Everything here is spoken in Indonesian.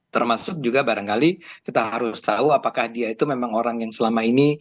termasuk juga barangkali kita harus tahu apakah dia itu memang orang yang selama ini